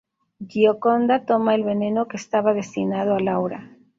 Gioconda toma el veneno que estaba destinado a Laura.